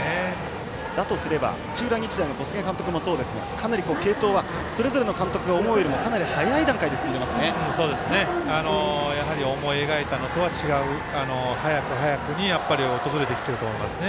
だとすれば土浦日大の小菅監督もそうですがかなり継投はそれぞれの監督が思うよりも思い描いたのとは違う早く早くに訪れてきていると思います。